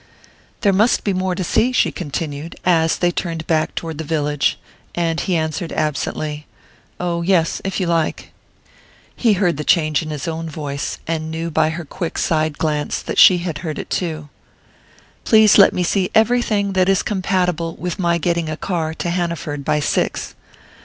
"There must be more to see?" she continued, as they turned back toward the village; and he answered absently: "Oh, yes if you like." He heard the change in his own voice, and knew by her quick side glance that she had heard it too. "Please let me see everything that is compatible with my getting a car to Hanaford by six."